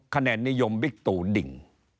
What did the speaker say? คะแนนนิยมบิ๊กตูดิ่ง